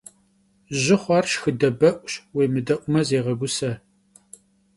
Jı xhuar şşxıde be'uş, vuêmıde'ume, zêğeguse.